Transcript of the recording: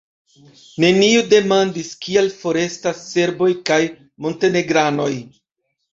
Neniu demandis, kial forestas serboj kaj montenegranoj.